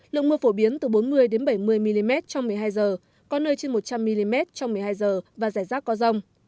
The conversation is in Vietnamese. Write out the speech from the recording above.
lượng mưa phổ biến từ bốn mươi bảy mươi mm trong một mươi hai h có nơi trên một trăm linh mm trong một mươi hai h và rải rác có rông